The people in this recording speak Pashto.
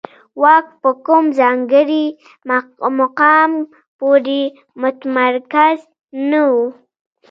واک په کوم ځانګړي مقام پورې متمرکز نه و.